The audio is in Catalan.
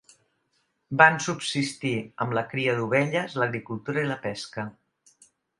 Van subsistir amb la cria d'ovelles, l'agricultura i la pesca.